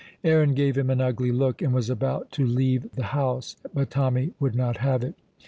Aaron gave him an ugly look, and was about to leave the house; but Tommy would not have it.